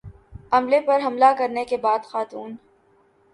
عملے پر حملہ کرنے کے بعد خاتون